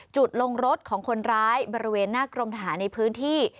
ลงรถของคนร้ายบริเวณหน้ากรมทหารในพื้นที่